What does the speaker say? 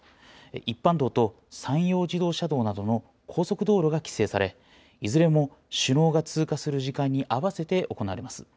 一般道と山陽自動車道などの高速道路が規制され、いずれも首脳が通過する時間に合わせて行われます。